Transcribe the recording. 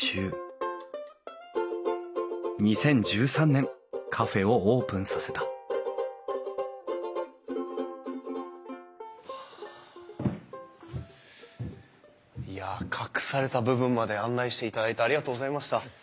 ２０１３年カフェをオープンさせたいや隠された部分まで案内していただいてありがとうございました。